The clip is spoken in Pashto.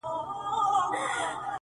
• په موږ کي بند دی.